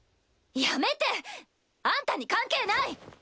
やめて！あんたに関係ない！